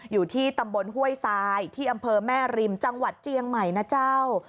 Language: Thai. อยู่ที่ตำบลห้วยทรายที่อำเภอแม่ริมจังหวัดเจียงใหม่นะเจ้า